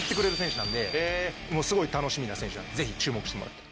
すごい楽しみな選手なんでぜひ注目してもらって。